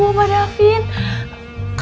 coba sambil rio didengar